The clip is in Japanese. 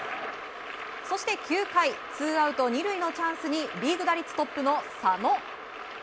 そして、９回ツーアウト２塁のチャンスにリーグ打率トップの佐野。